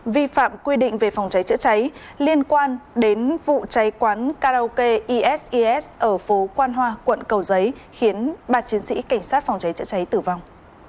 vi phạm quy định về phòng cháy chữa cháy liên quan đến vụ cháy quán karaoke eses ở phố quan hoa quận cầu giấy khiến ba chiến sĩ cảnh sát phòng cháy chữa cháy tử vong